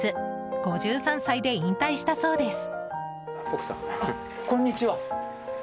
５３歳で引退したそうです。